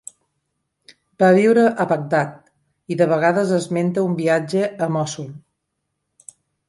Va viure a Bagdad i de vegades esmenta un viatge a Mosul.